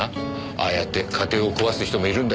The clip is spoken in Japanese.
ああやって家庭を壊す人もいるんだ。